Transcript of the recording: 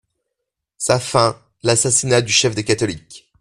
Sa fin, l'assassinat du chef des catholiques.